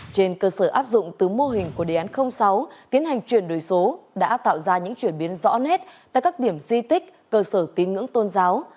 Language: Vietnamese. trên cơ sở áp dụng từ mô hình của đề án sáu tiến hành chuyển đổi số đã tạo ra những chuyển biến rõ nét tại các điểm di tích cơ sở tín ngưỡng tôn giáo